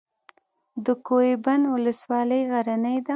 د کوه بند ولسوالۍ غرنۍ ده